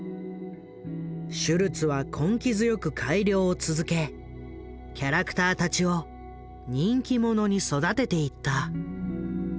シュルツは根気強く改良を続けキャラクターたちを人気者に育てていった。